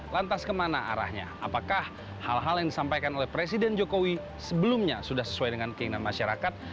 lantas kemana arahnya apakah hal hal yang disampaikan oleh presiden jokowi sebelumnya sudah sesuai dengan keinginan masyarakat